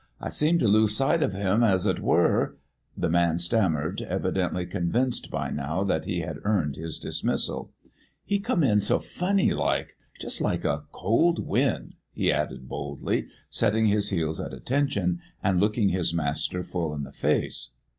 I seemed to lose sight of him, as it were " The man stammered, evidently convinced by now that he had earned his dismissal. "He come in so funny, just like a cold wind," he added boldly, setting his heels at attention and looking his master full in the face.